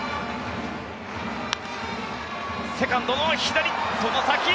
セカンドの左、外崎。